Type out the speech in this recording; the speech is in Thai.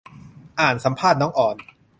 อ่านสัมภาษณ์น้องออน